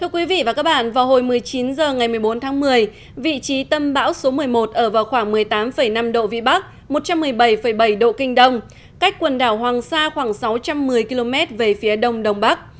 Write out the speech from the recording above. quý vị và các bạn vào hồi một mươi chín h ngày một mươi bốn tháng một mươi vị trí tâm bão số một mươi một ở vào khoảng một mươi tám năm độ vĩ bắc một trăm một mươi bảy bảy độ kinh đông cách quần đảo hoàng sa khoảng sáu trăm một mươi km về phía đông đông bắc